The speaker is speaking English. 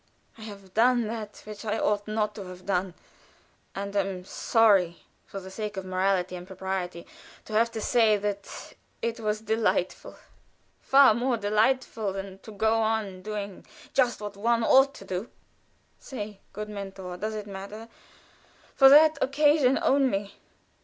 I have done that which I ought not to have done, and am sorry, for the sake of morality and propriety, to have to say that it was delightful; far more delightful than to go on doing just what one ought to do. Say, good Mentor, does it matter? For this occasion only.